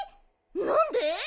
なんで？